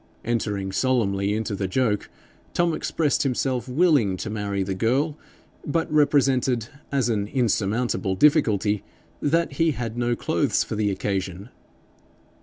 Entering solemnly into the joke, Tom expressed himself willing to marry the girl, but represented, as an insurmountable difficulty, that he had no clothes for the occasion.